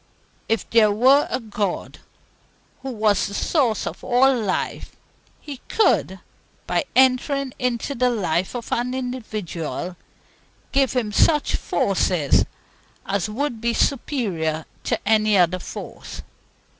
If there were a God, who was the Source of all life, He could, by entering into the life of any individual, give him such forces as would be superior to any other force.